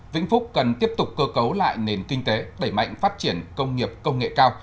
vĩnh phúc cần tiếp tục cơ cấu lại nền kinh tế đẩy mạnh phát triển công nghiệp công nghệ cao